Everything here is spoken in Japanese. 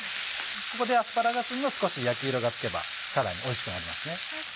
ここでアスパラガスにも少し焼き色がつけばさらにおいしくなりますね。